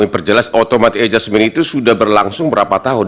yang perjelas automatic adjustment itu sudah berlangsung berapa tahun